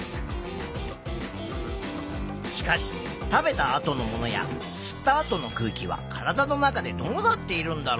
しかし食べたあとのものや吸ったあとの空気は体の中でどうなっているんだろう？